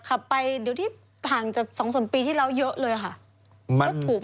ขับไปหากจะสองส่วนปีที่เราเยอะเลยค่ะ